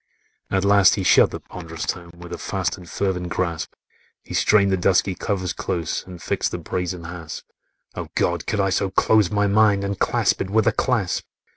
At last he shut the pond'rous tome, With a fast and fervent grasp He strained the dusky covers close, And fixed the brazen hasp; "Oh, God! could I so close my mind, And clasp it with a clasp!"